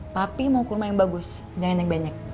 tapi mau kurma yang bagus jangan yang banyak